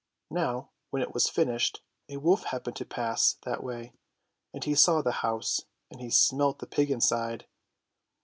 Now, when it was finished, a wolf happened to pass that way ; and he saw the house, and he smelt the pig inside.